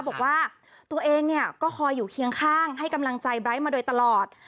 บอกว่าตัวเองเนี่ยก็คอยอยู่เคียงข้างให้กำลังใจไร้มาโดยตลอด